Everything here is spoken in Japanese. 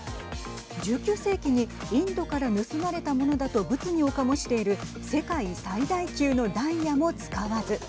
１９世紀にインドから盗まれたものだと物議を醸している世界最大級のダイヤも使わず。